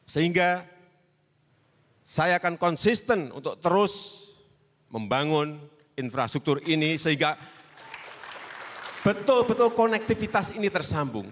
sehingga saya akan konsisten untuk terus membangun infrastruktur ini sehingga betul betul konektivitas ini tersambung